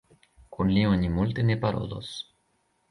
Kun li oni multe ne parolos!